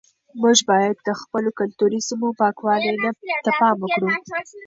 موږ باید د خپلو کلتوري سیمو پاکوالي ته پام وکړو.